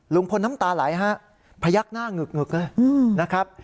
ลุงพลน้ำตาไหลฮะพยักหน้างึกเลยนะครับ